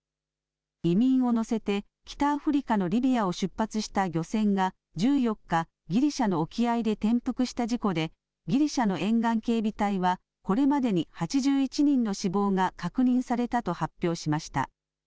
移民を乗せて、北アフリカのリビアを出発した漁船が１４日、ギリシャの沖合で転覆した事故で、ギリシャの沿岸警備隊は、これまでに８１人の死亡が確認されたと発表しました。